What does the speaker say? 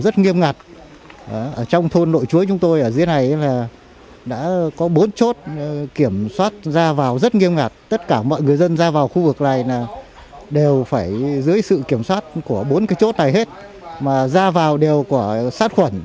tất cả mọi người dân ra vào khu vực này đều phải dưới sự kiểm soát của bốn cái chốt này hết mà ra vào đều có sát khuẩn